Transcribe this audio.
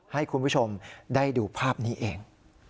ให้คุณผู้ชมได้ดูภาพนี้เอง